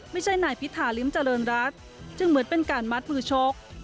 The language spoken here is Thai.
ไม่ใช่นายพิธาริมเจริญรัฐจึงเหมือนเป็นการมัดมือชก